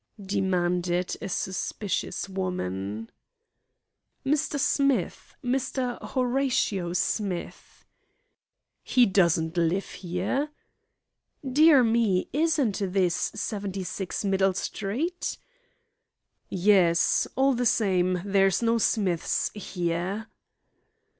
demanded a suspicious woman. "Mr. Smith Mr. Horatio Smith." "He doesn't live here." "Dear me! Isn't this 76 Middle Street?" "Yes; all the same, there's no Smiths here."